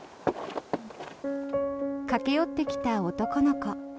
駆け寄ってきた男の子。